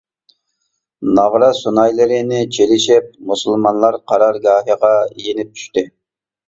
ناغرا سۇنايلىرىنى چېلىشىپ مۇسۇلمانلار قارارگاھىغا يېنىپ چۈشتى.